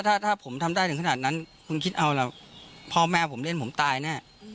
ถ้าถ้าผมทำได้ถึงขนาดนั้นคุณคิดเอาล่ะพ่อแม่ผมเล่นผมตายแน่